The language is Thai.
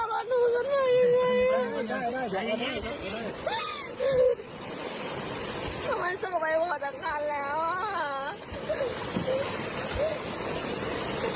มันจะออกไปพอจากกันแล้วอะ